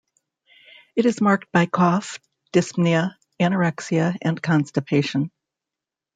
It is marked by cough, dyspnea, anorexia and constipation.